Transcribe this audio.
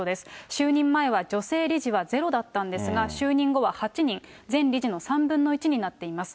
就任前は女性理事はゼロだったんですが、就任後は８人、全理事の３分の１になっています。